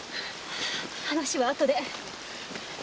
話はあとで。